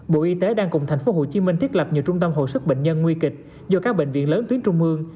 bộ y tế đang cùng tp hcm thiết lập nhiều trung tâm hội sức bệnh nhân nguy kịch do các bệnh viện lớn tuyến trung ương